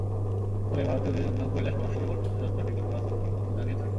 তবে, ভারতীয়দের জন্য কৈলাস-মানস সরোবর তীর্থযাত্রার বিকল্প রাস্তা খোলার কথা জানিয়েছেন।